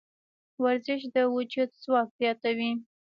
ورزش د وجود ځواک زیاتوي.